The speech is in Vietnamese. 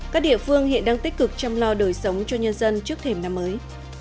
các địa phương hiện đang tích cực chăm lo đời sống cho nhân dân trước thềm năm mới